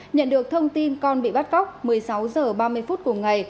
nhận được thông tin con bị bắt cóc một mươi sáu h ba mươi phút cùng ngày